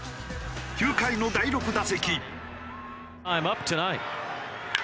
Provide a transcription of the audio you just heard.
９回の第６打席。